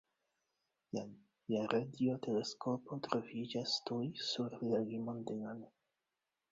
La radioteleskopo troviĝas tuj sur la limo de lan.